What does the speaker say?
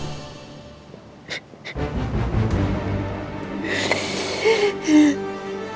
jangan lupa untuk mencoba